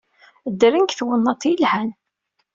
Ddren deg twennaḍt yelhan.